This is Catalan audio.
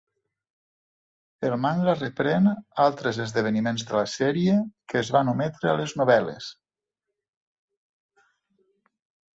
El manga reprèn altres esdeveniments de la sèrie que es van ometre a les novel·les.